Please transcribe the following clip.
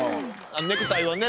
ネクタイをね